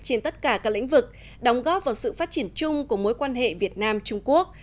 trên tất cả các lĩnh vực đóng góp vào sự phát triển chung của mối quan hệ việt nam trung quốc